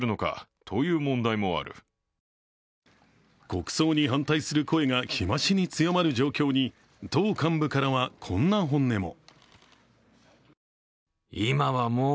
国葬に反対する声が日増しに強まる状況に党幹部からはこんな本音も。